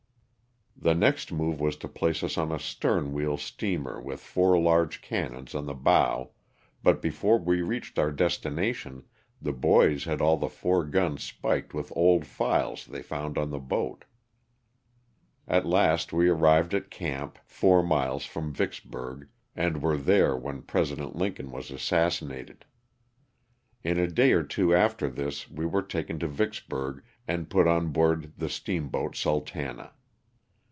The next move was to place us on a stern wheel steamer with four large cannons on the bow, but before we reached our destination the boys had all the four guns spiked with old files they found on the boat. At last we arrived at camp, four miles from Vicksburg, and were there when President Lincoln was assassi nated. In a day or two after this we were taken to Vicksburg and put on board the steam boat "Sultana."